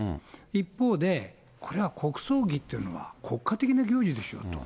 一方で、これは国葬儀っていうのは国家的な行事でしょうと。